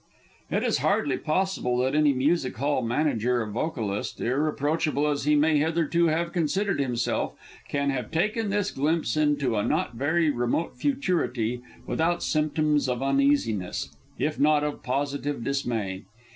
_ It is hardly possible that any Music hall Manager or vocalist, irreproachable as he may hitherto have considered himself, can have taken this glimpse into a not very remote futurity without symptoms of uneasiness, if not of positive dismay.